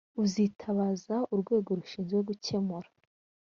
uzitabaza urwego rushinzwe gukemura